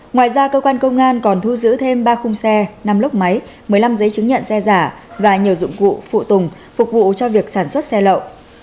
ngoài ra cơ quan công an còn thu giữ thêm ba khung xe năm lốc máy một mươi năm giấy chứng nhận xe giả và nhiều dụng cụ phụ tùng phục vụ cho việc sản xuất xe lậu